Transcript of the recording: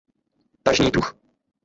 Tažný druh.